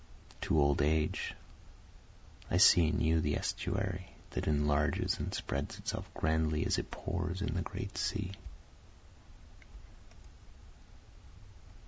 To Old Age I see in you the estuary that enlarges and spreads itself grandly as it pours in the great sea.